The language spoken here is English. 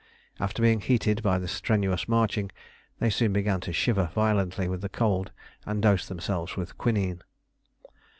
After being heated by the strenuous marching, they soon began to shiver violently with the cold and dosed themselves with quinine.